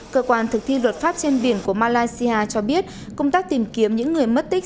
cơ quan thực thi luật pháp trên biển của malaysia cho biết công tác tìm kiếm những người mất tích